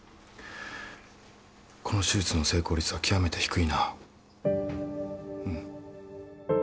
この手術の成功率はきわめて低いな